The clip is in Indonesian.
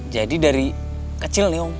jadi dari kecil nih om